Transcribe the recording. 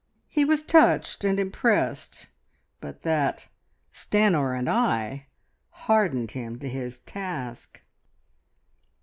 He was touched and impressed, but that "Stanor and I" hardened him to his task.